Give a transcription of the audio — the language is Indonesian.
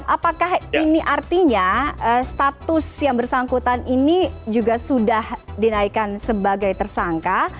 apakah ini artinya status yang bersangkutan ini juga sudah dinaikkan sebagai tersangka